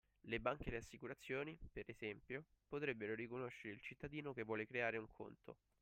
Le banche e le assicurazioni, per esempio, potrebbero riconoscere il cittadino che vuole creare un conto